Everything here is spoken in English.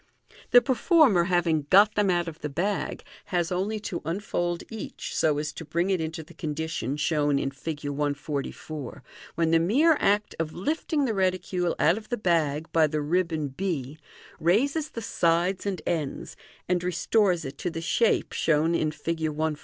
The peiformer having got them out of the bag, has only to unfold each, so as to bring it into the condition shown in Fig. 144, when the mere act of lifting Fig. 142. Fig. 143. Fig. 144. Fig. 145. the reticule out of the bag by the ribbon b raises the sides and ends, and restores it to the shape shown in Fig. 141.